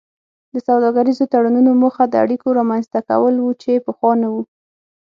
د سوداګریزو تړونونو موخه د اړیکو رامینځته کول وو چې پخوا نه وو